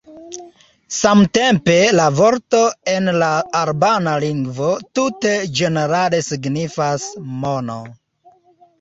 Samtempe la vorto en la albana lingvo tute ĝenerale signifas "mono".